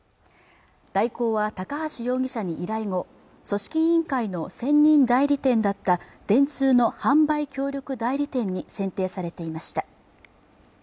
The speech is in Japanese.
大広は高橋容疑者に依頼後組織委員会の専任代理店だった電通の販売協力代理店に選定されていました